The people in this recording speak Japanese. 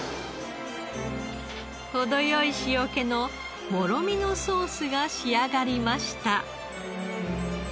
程良い塩気のもろみのソースが仕上がりました。